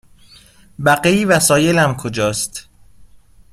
بقیه وسایلم کجاست؟